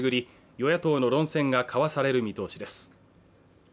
与野党の論戦が交わされる見通しです